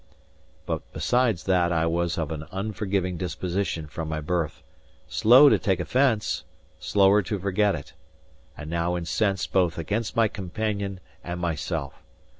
But besides that I was of an unforgiving disposition from my birth, slow to take offence, slower to forget it, and now incensed both against my companion and myself.